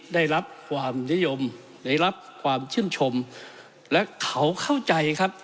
ได้รับความนิยมได้รับความชื่นชมและเขาเข้าใจครับ